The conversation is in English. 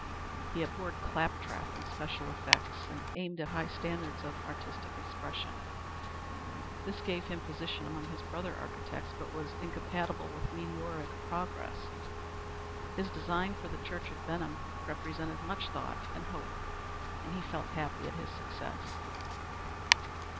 He abhorred claptrap and specious effects, and aimed at high standards of artistic expression. This gave him position among his brother architects, but was incompatible with meteoric progress. His design for the church at Benham represented much thought and hope, and he felt happy at his success.